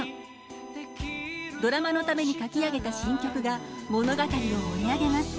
ドラマのために書き上げた新曲が物語を盛り上げます。